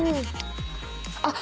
あっ！